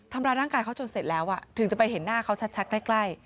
ทำร้ายร่างกายเขาจนเสร็จแล้วถึงจะไปเห็นหน้าเขาชัดใกล้